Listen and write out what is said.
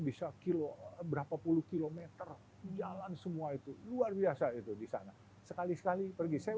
bisa kilo berapa puluh km jalan semua itu luar biasa itu di sana sekali sekali pergi saya